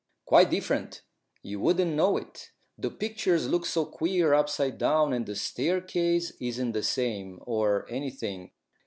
"Quite different; you wouldn't know it. The pictures look so queer upside down; and the staircase isn't the same or anything.